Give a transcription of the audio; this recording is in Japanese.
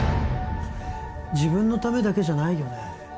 自分のためだけじゃないよね？